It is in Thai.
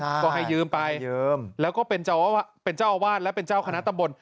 ก็ให้ยืมไปยืมแล้วก็เป็นเจ้าอาวาสและเป็นเจ้าคณะตำบล